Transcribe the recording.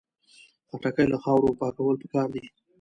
خټکی له خاورې پاکول پکار دي.